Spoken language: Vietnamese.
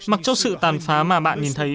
mặc chốc sự tàn phá mà bạn nhìn thấy